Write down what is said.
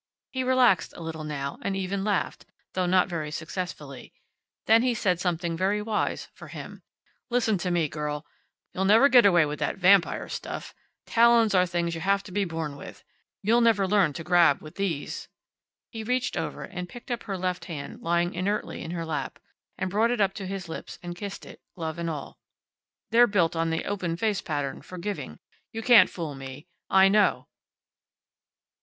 He relaxed a little now, and even laughed, though not very successfully. Then he said something very wise, for him. "Listen to me, girl. You'll never get away with that vampire stuff. Talons are things you have to be born with. You'll never learn to grab with these." He reached over, and picked up her left hand lying inertly in her lap, and brought it up to his lips, and kissed it, glove and all. "They're built on the open face pattern for giving. You can't fool me. I know."